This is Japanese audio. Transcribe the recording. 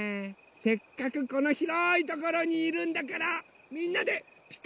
せっかくこのひろいところにいるんだからみんなで「ピカピカブ！」やらない？